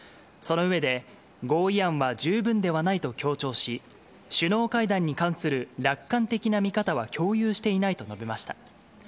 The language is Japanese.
その上で、合意案は十分ではないと強調し、首脳会談に関する楽観的な見方は共有していないと述べました。